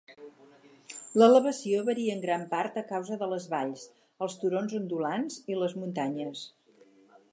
L'elevació varia en gran part a causa de les valls, els turons ondulants i les muntanyes.